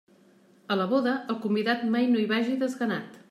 A la boda, el convidat mai no hi vagi desganat.